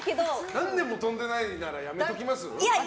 何年も跳んでないならやめます？